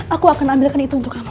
aku akan ambilkan itu untuk aku